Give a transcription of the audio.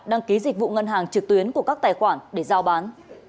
đăng ký dịch vụ ngân hàng trực tuyến của các tài khoản để giao bán